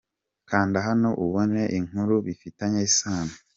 Kanda hano ubone inkuru bifitanye isano.